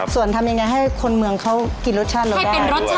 ส่วนทำยังไงให้คนเมืองเขากินรสชาติลงไป